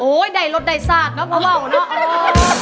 โอ้ยได้รสได้ซากเนอะเพราะว่าเหาะเนอะ